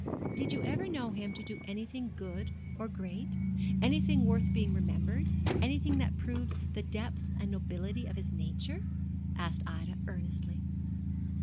'Did you ever know him do anything good or great, anything worth being remembered anything that proved the depth and nobility of his nature?' asked Ida, earnestly.